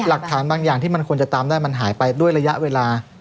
หลักฐานบางอย่างที่มันควรจะตามได้มันหายไปด้วยระยะเวลา